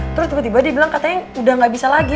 terus tiba tiba dia bilang katanya udah gak bisa lagi